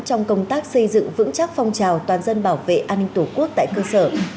trong công tác xây dựng vững chắc phong trào toàn dân bảo vệ an ninh tổ quốc tại cơ sở